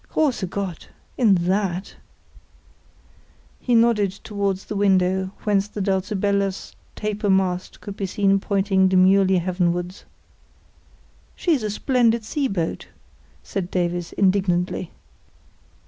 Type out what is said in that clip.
"Grosse Gott! In that." He nodded towards the window whence the Dulcibella's taper mast could be seen pointing demurely heavenwards. "She's a splendid sea boat," said Davies, indignantly.